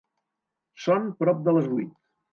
Són prop de les vuit.